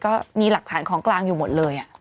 ก็มีหลักฐานของกลางอยู่หมดเลย